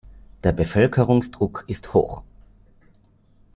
Der Bevölkerungsdruck ist hoch.